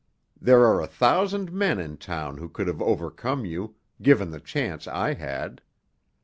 There are a thousand men in town who could have overcome you, given the chance I had."